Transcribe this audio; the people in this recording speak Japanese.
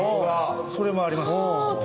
それもあります。